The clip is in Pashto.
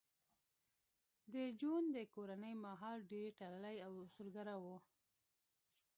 د جون د کورنۍ ماحول ډېر تړلی او اصولګرا و